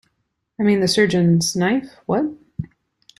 I mean, the surgeon's knife, what?